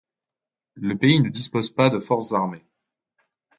Le pays ne dispose pas de forces armées.